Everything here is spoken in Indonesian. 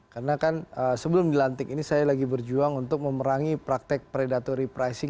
karena kan sebelum dilantik ini saya lagi berjuang untuk memerangi praktek predatory pricing